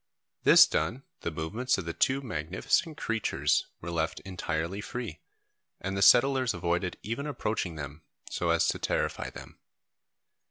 This done, the movements of the two magnificent creatures were left entirely free, and the settlers avoided even approaching them so as to terrify them.